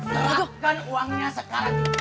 serahkan uangnya sekarang